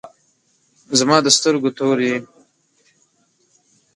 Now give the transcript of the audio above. زما د سترګو تور یی